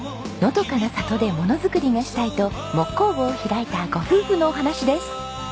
のどかな里でものづくりがしたいと木工房を開いたご夫婦のお話です。